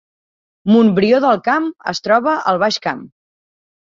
Montbrió del Camp es troba al Baix Camp